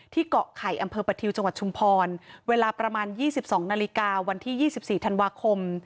เกาะไข่อำเภอประทิวจังหวัดชุมพรเวลาประมาณ๒๒นาฬิกาวันที่๒๔ธันวาคม